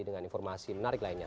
dengan informasi menarik lainnya